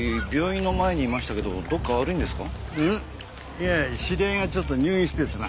いや知り合いがちょっと入院しててな。